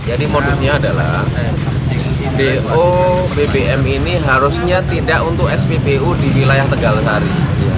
jadi modusnya adalah bbm ini harusnya tidak untuk spbu di wilayah tegasari